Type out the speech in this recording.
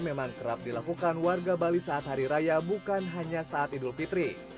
memang kerap dilakukan warga bali saat hari raya bukan hanya saat idul fitri